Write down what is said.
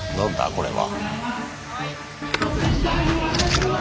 これは。